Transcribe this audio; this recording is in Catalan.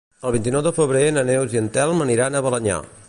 El vint-i-nou de febrer na Neus i en Telm aniran a Balenyà.